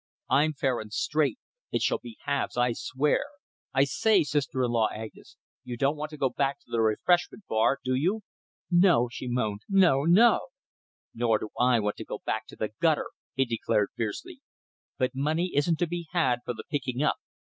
I'm fair and straight. It shall be halves, I swear. I say, sister in law Agnes, you don't want to go back to the refreshment bar, do you?" "No!" she moaned. "No! no!" "Nor do I want to go back to the gutter," he declared fiercely. "But money isn't to be had for the picking up.